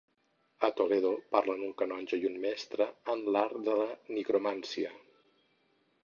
A Toledo parlen un canonge i un mestre en l'art de la nigromància.